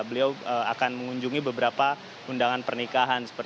beliau akan mengunjungi beberapa undangan pernikahan